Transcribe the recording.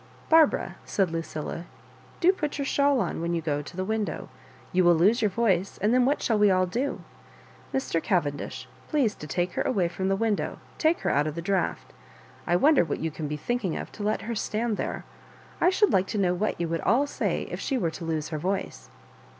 " Barbara," said Lucilla, " do put your shawl on when you go to the window. You will lose your voice, and then what shall we all do ? Mr. Cavendish, please to take her away from the window, take her out of the draught. I wonder what you can be thinking of to let her stand there. I should like to know what you would all say if she were to lose her voice."